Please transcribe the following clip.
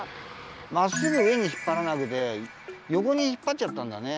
まっすぐ上に引っぱらなくてよこに引っぱっちゃったんだね。